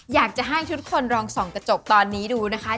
อยากจะให้ทุกคนลองส่องกระจกตอนนี้ดูนะคะ